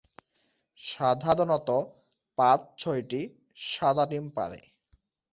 সাধারণত পাঁচ-ছয়টি সাদা ডিম পাড়ে।